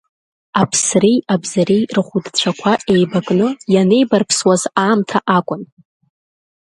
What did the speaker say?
Аԥсреи абзареи рхәыдцәақәа еибакны ианеибарԥсуаз аамҭа акәын.